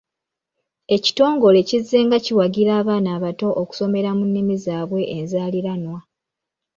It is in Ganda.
Ekitongole kizzenga kiwagira abaana abato okusomera mu nnimi zaabwe enzaaliranwa.